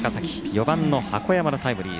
４番の箱山のタイムリー。